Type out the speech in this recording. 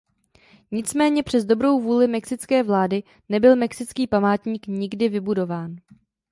Nicméně přes dobrou vůli mexické vlády nebyl mexický památník nikdy vybudován.